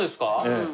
ええ。